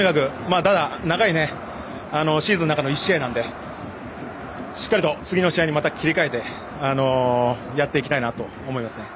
ただ、長いシーズンの中の１試合なのでしっかりと次の試合にまた切り替えてやっていきたいと思いますね。